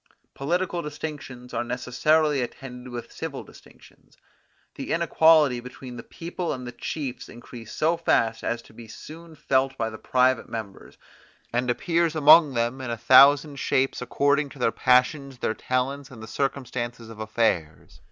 Political distinctions are necessarily attended with civil distinctions. The inequality between the people and the chiefs increase so fast as to be soon felt by the private members, and appears among them in a thousand shapes according to their passions, their talents, and the circumstances of affairs.